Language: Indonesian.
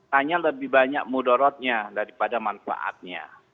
tanya lebih banyak mudaratnya daripada manfaatnya